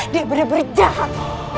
dia bener bener jahat